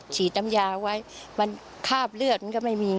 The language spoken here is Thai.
ฉีดน้ำยาไว้มันคาบเลือดมันก็ไม่มี